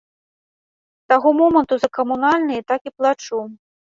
З таго моманту за камунальныя так і плачу.